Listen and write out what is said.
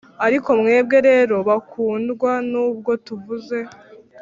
Ariko mwebwe rero bakundwa nubwo tuvuze